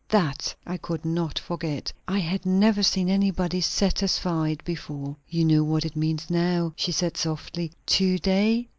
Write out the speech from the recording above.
That I could not forget. I had never seen anybody 'satisfied' before." "You know what it means now?" she said softly. "To day?